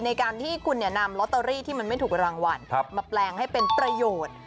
ในการที่คุณนำลอตเตอรี่ที่มันไม่ถูกรางวัลมาแปลงให้เป็นประโยชน์